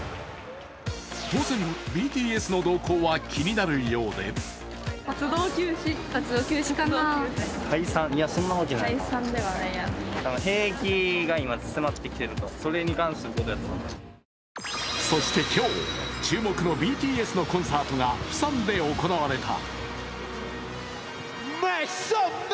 当然、ＢＴＳの動向は気になるようでそして今日、注目のＢＴＳのコンサートがプサンで行われた。